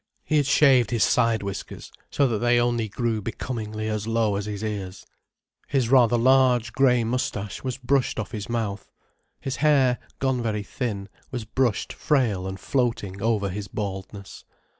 He had shaved his side whiskers, so that they only grew becomingly as low as his ears. His rather large, grey moustache was brushed off his mouth. His hair, gone very thin, was brushed frail and floating over his baldness.